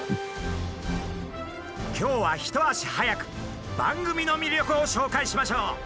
今日は一足早く番組の魅力を紹介しましょう！